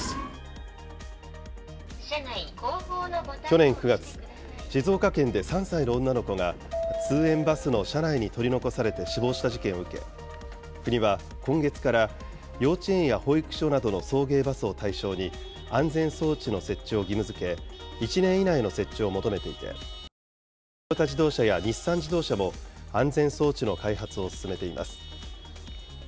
去年９月、静岡県で３歳の女の子が、通園バスの車内に取り残されて死亡した事件を受け、国は今月から、幼稚園や保育所などの送迎バスを対象に、安全装置の設置を義務づけ、１年以内の設置を求めていて、トヨタ自動車や日産自動車も安全装置の開発を進めています。